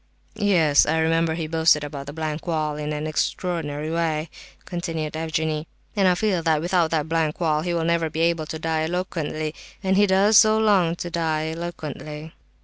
"Yes, I remember he boasted about the blank wall in an extraordinary way," continued Evgenie, "and I feel that without that blank wall he will never be able to die eloquently; and he does so long to die eloquently!"